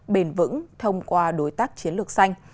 bền vững thông qua đối tác chiến lược xanh